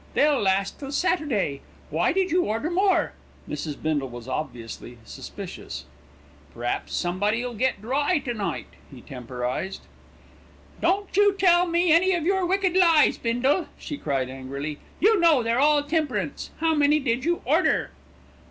They'll last till Saturday. Why did you order more?" Mrs. Bindle was obviously suspicious. "P'raps somebody'll get dry to night," he temporised. "Don't you tell me any of your wicked lies, Bindle," she cried angrily. "You know they're all temperance. How many did you order?"